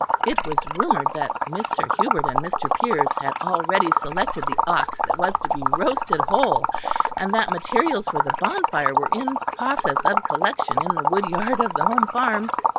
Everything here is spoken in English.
It was rumoured that Mr. Hubert and Mr. Piers had already selected the ox that was to be roasted whole, and that materials for the bonfire were in process of collection in the woodyard of the home farm.